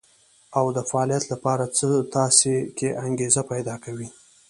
او د فعاليت لپاره څه تاسې کې انګېزه پيدا کوي.